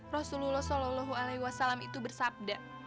rasulullah shololohu alaihi wassalam itu bersabda